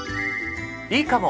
いいかも！